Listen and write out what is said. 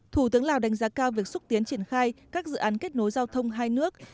thủ tướng lào đánh giá cao việc xúc tiến triển khai các dự án kết nối giao thông hai nước